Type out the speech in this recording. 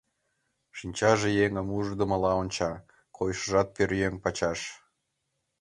Шинчаже еҥым уждымыла онча, койышыжат пӧръеҥ пачаш.